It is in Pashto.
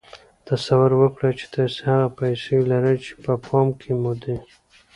تصور وکړئ چې تاسې هغه پيسې لرئ چې په پام کې مو دي.